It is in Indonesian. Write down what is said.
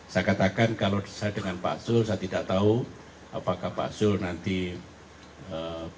saya katakan kalau saya dengan pak zul saya tidak tahu apakah pak zul nanti bersama sama dengan saya